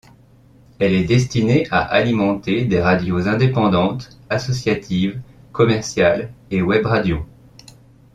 Elle est destinée à alimenter des radios indépendantes, associatives, commerciales et web radio.